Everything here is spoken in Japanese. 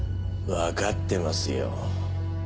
わかってますよ。